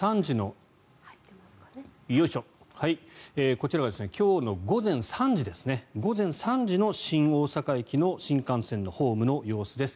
こちらが今日の午前３時の新大阪駅の新幹線のホームの様子です。